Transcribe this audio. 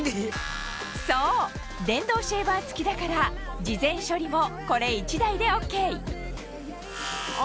そう電動シェーバー付きだから事前処理もこれ１台でＯＫあ